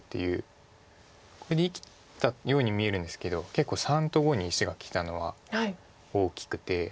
これで生きたように見えるんですけど結構③と⑤に石がきたのは大きくて。